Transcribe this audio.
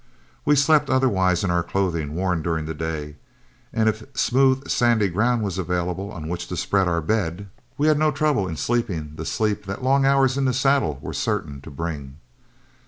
We slept otherwise in our clothing worn during the day, and if smooth, sandy ground was available on which to spread our bed, we had no trouble in sleeping the sleep that long hours in the saddle were certain to bring.